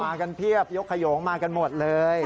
กันเพียบยกขยงมากันหมดเลย